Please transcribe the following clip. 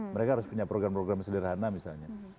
mereka harus punya program program sederhana misalnya